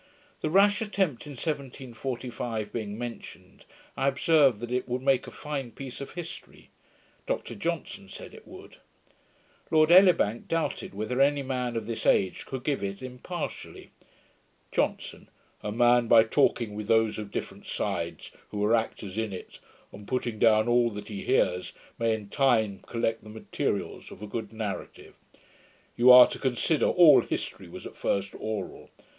The rash attempt in 1745 being mentioned, I observed, that it would make a fine piece of history. Dr Johnson said it would. Lord Elibank doubted whether any man of this age could give it impartially. JOHNSON. 'A man, by talking with those of different sides, who were actors in it, and putting down all that he hears, may in time collect the materials of a good narrative. You are to consider, all history was at first oral.